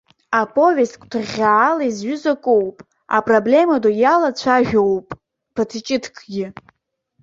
Аповест гәҭыӷьӷьаала изҩыз акоуп, апроблема ду иалацәа жәоуп ԥыҭчыҭкгьы.